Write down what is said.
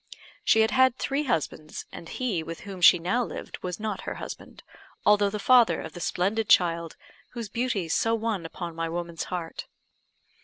She had had three husbands, and he with whom she now lived was not her husband, although the father of the splendid child whose beauty so won upon my woman's heart.